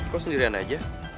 kok sendirian aja